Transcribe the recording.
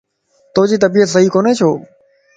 توجي طبيعت صحيح ڪوني ڇو؟